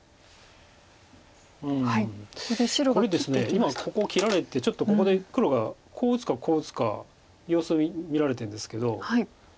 今ここを切られてちょっとここで黒がこう打つかこう打つか様子を見られてるんですけど。